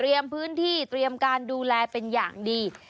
พื้นที่เตรียมการดูแลเป็นอย่างดี